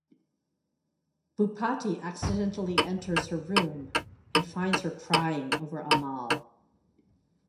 Bhupati accidentally enters her room and finds her crying over Amal.